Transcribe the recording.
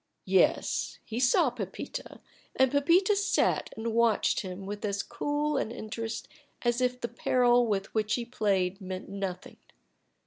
Yes, he saw Pepita, and Pepita sat and watched him with as cool an interest as if the peril with which he played meant nothing.